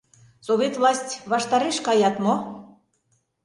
Совет власть ваштареш каят мо?